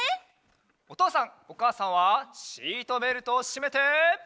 おとうさんおかあさんはシートベルトをしめて。